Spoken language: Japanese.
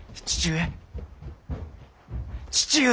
父上！